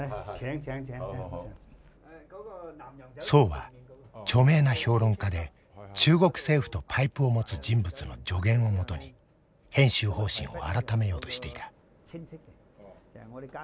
曽は著名な評論家で中国政府とパイプを持つ人物の助言をもとに編集方針を改めようとしていた。